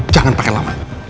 jangan pakai lama